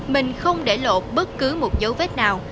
mình không để lột bất cứ một dấu vết nào